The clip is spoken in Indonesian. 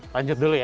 lanjut dulu ya